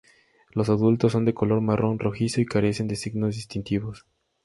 Los adultos son de color marrón rojizo y carecen de signos distintivos.